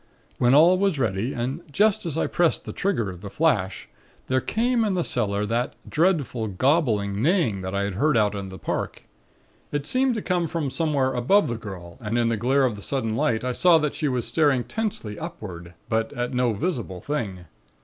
When all was ready and just as I pressed the trigger of the 'flash,' there came in the cellar that dreadful, gobbling neighing that I had heard out in the Park. It seemed to come from somewhere above the girl and in the glare of the sudden light I saw that she was staring tensely upward, but at no visible thing.